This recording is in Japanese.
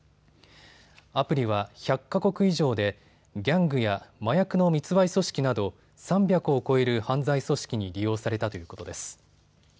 アプリは１００か国以上でギャングや麻薬の密売組織など３００を超える犯罪組織に利用されたということです。